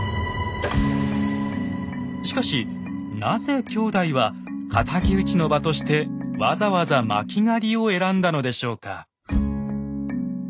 しかしなぜ兄弟は敵討ちの場としてわざわざ巻狩を選んだのでしょうか？